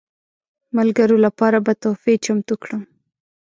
ملګرو لپاره به تحفې چمتو کړم.